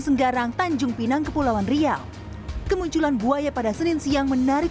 senggarang tanjung pinang kepulauan riau kemunculan buaya pada senin siang menarik